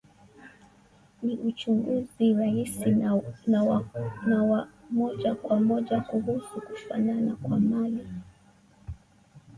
It is a simple and straightforward inquiry about the similarity of possessions.